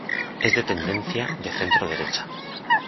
Es de tendencia de centro-derecha.